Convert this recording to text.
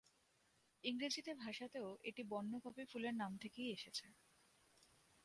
ইংরেজিতে ভাষাতেও এটি বন্য পপি ফুলের নাম থেকেই এসেছে।